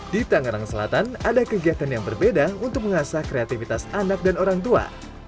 di tangerang selatan ada kegiatan yang berbeda untuk mengasah kreativitas anak dan orang tua